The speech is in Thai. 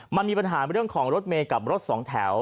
มันมีปัญหาเรื่องของรถเมย์กับรถสองแถว